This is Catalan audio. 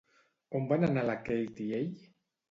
On van anar la Kate i ell?